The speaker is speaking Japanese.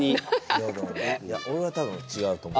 いや俺は多分違うと思う。